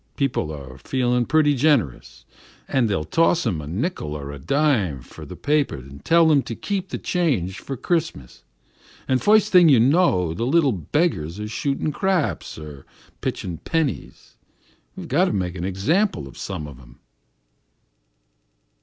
People are feelin' pretty generous, an' they'll toss 'em a nickel er a dime fur their paper an' tell 'em to keep the change fur Christmas, an' foist thing you know the little beggars are shootin' craps er pitchin' pennies. We've got to make an example of some of 'em."